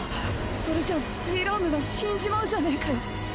それじゃセイラームが死んじまうじゃねえかよ。